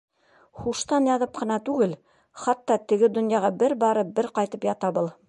Һуштан яҙып ҡына түгел, хатта теге донъяға бер барып, бер ҡайтып ята был.